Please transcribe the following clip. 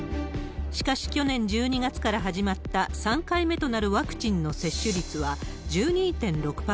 しかし、去年１２月から始まった３回目となるワクチンの接種率は１２．６％。